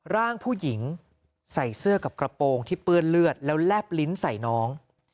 ร่างผู้หญิงใส่เสื้อกับกระโปรงที่เปื้อนเลือดแล้วแลบลิ้นใส่น้อง